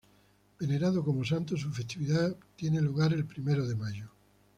Venerado como santo, su festividad tiene lugar el primero de mayo.